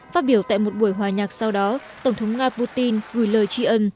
phát biểu tại một buổi hòa nhạc sau đó tổng thống nga putin gửi lời tri ân